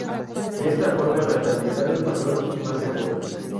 De esta forma la estabilidad es mayor y más segura.